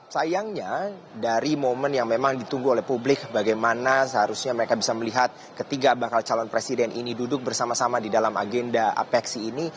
sayangnya dari momen yang memang ditunggu oleh publik bagaimana seharusnya mereka bisa melihat ketiga bakal calon presiden ini duduk bersama sama di dalam agenda apeksi ini